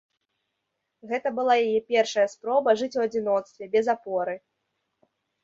Гэта была яе першая спроба жыць у адзіноцтве без апоры.